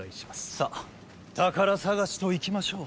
さあ宝探しといきましょう。